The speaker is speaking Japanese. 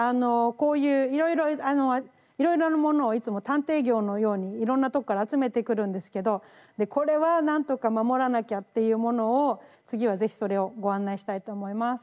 こういういろいろなものをいつも探偵業のようにいろんなとこから集めてくるんですけどでこれは何とか守らなきゃっていうものを次は是非それをご案内したいと思います。